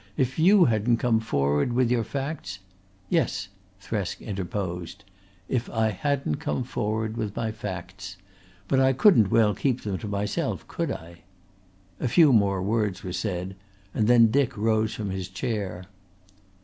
If you hadn't come forward with your facts " "Yes," Thresk interposed. "If I hadn't come forward with my facts. But I couldn't well keep them to myself, could I?" A few more words were said and then Dick rose from his chair.